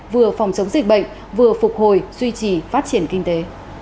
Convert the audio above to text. vừa phòng chống dịch bệnh vừa phục hồi duy trì phát triển kinh tế